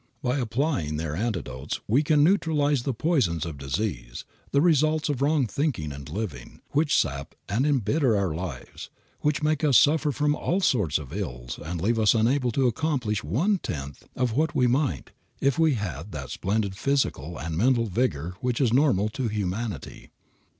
By applying their antidotes we can neutralize the poisons of disease, the results of wrong thinking and living, which sap and embitter our lives, which make us suffer from all sorts of ills and leave us unable to accomplish one tenth of what we might if we had that splendid physical and mental vigor which is normal to humanity.